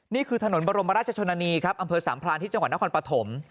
นี่คือถนนบรมราชชนนานีครับอำเภอสามพรานที่จังหวัดนครปฐม